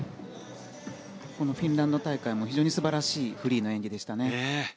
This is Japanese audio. フィンランド大会も非常に素晴らしいフリーの演技でしたね。